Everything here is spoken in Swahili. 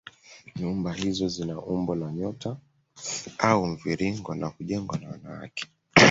Nyumba hizo zina umbo la nyota au mviringo na hujengwa na wanawake